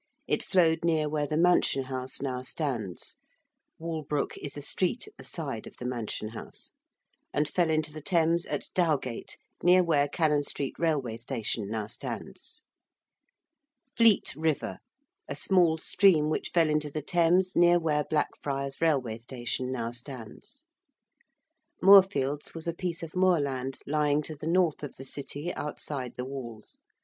It flowed near where the Mansion House now stands (Walbrook is a street at the side of the Mansion House), and fell into the Thames at Dowgate, near where Cannon Street Railway Station now stands. ~Fleet River~: a small stream which fell into the Thames near where Blackfriars Railway Station now stands. ~Moorfields~ was a piece of moor land lying to the north of the City, outside the walls.